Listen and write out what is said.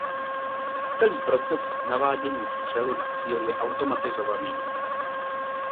Celý proces navádění střely na cíl je automatizovaný.